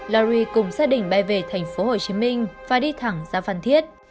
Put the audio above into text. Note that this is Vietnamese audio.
larry cùng gia đình bay về thành phố hồ chí minh và đi thẳng ra phan thiết